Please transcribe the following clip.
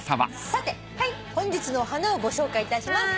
さて本日のお花をご紹介いたします。